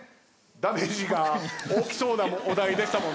ダメージが大きそうなお題でしたもんね。